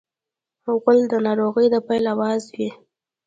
غول د ناروغۍ د پیل اواز وي.